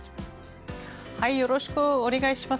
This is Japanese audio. よろしくお願いします。